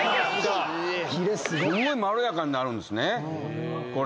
すんごいまろやかになるんですねこれ。